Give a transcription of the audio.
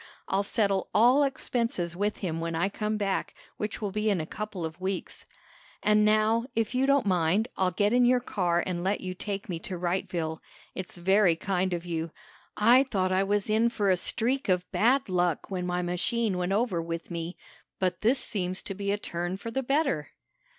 I'll settle all expenses with him when I come back, which will be in a couple of weeks. "And now, if you don't mind, I'll get in your car and let you take me to Wrightville. It's very kind of you. I thought I was in for a streak of bad luck when my machine went over with me, but this seems to be a turn for the better."